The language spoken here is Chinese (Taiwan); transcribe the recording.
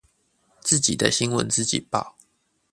自己的新聞自己報